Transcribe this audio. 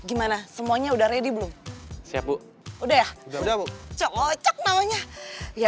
ini geser dikit ya